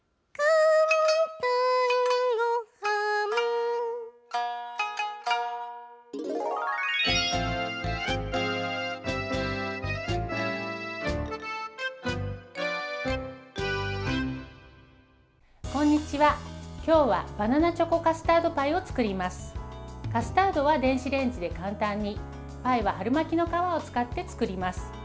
カスタードは電子レンジで簡単にパイは春巻きの皮を使って作ります。